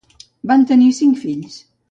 Van tenir cinc fills.